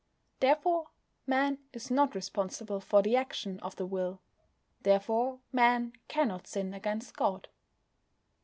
Therefore Man is not responsible for the action of the will. Therefore Man cannot sin against God.